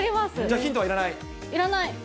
ヒントいらない？